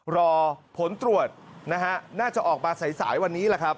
รอผลตรวจนะฮะน่าจะออกมาสายวันนี้แหละครับ